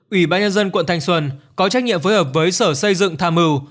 ủy ban nhân dân quận thanh xuân có trách nhiệm phối hợp với sở xây dựng tham mưu